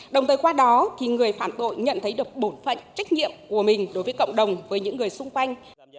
đồng thời qua đó thì người phạm tội nhận thấy được bổn phận trách nhiệm của mình đối với cộng đồng với những người xung quanh